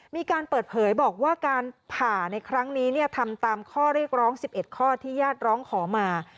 มีการเปิดเผยบอกว่าการผ่าในครั้งนี้ทำตามข้อเรียกร้อง๑๑ข้อที่ญาติร้องขอมา